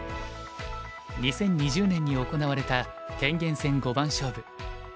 ２０２０年に行われた天元戦五番勝負。